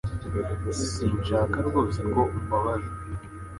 Sinshaka rwose ko umbabaza